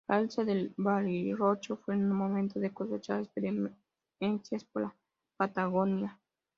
Al irse de Bariloche fue el momento de cosechar experiencias por la Patagonia.